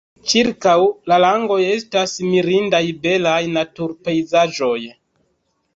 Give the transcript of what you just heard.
Ĉirkaŭ la lagoj estas mirindaj belaj natur-pejzaĝoj.